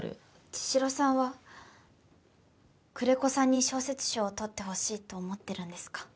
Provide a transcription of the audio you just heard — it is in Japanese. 茅代さんは久連木さんに小説賞を取ってほしいって思ってるんですか？